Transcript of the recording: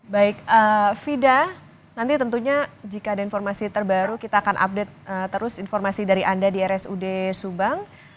baik fida nanti tentunya jika ada informasi terbaru kita akan update terus informasi dari anda di rsud subang